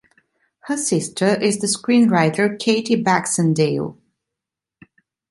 Her sister is the screenwriter Katie Baxendale.